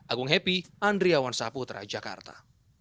agung happy andriawan saputra jakarta